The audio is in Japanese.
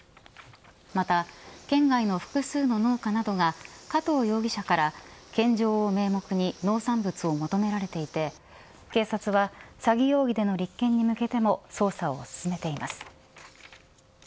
また、県外の複数の農家などが加藤容疑者から献上を名目に農産物を求められていて警察は詐欺容疑での立件に向けても捜査を進めています。